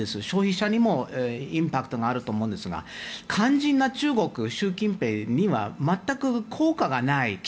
消費者にもインパクトがあると思うんですが、肝心の中国の習近平には全く効果がない。